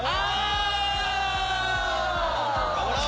頑張ろう！